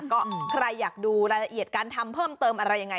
ก็ใครอยากดูรายละเอียดการทำเพิ่มเติมอะไรยังไง